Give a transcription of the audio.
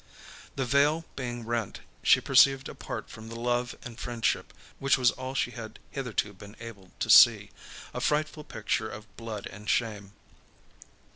The veil being rent, she perceived apart from the love and friendship which was all she had hitherto been able to see, a frightful picture of blood and shame.